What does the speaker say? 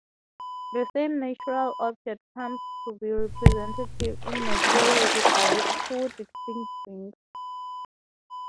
The same natural object comes to be represented in mythology by two distinct beings.